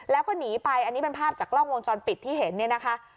แล้วก็หนีไปอันนี้เป็นภาพจากกล้องวงจรปิดที่เห็นเนี่ยนะคะ